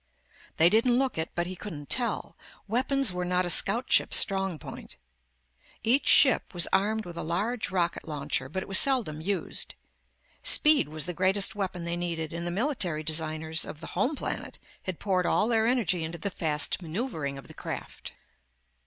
They didn't look it, but he couldn't tell. Weapons were not a scout ship's strong point. Each ship was armed with a large rocket launcher, but it was seldom used. Speed was the greatest weapon they needed and the military designers of the home planet had poured all their energy into the fast maneuvering of the craft.